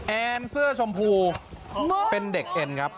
แอนเสื้อชมพูเป็นเด็กเอ็นครับ